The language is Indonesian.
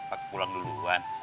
pakai pulang duluan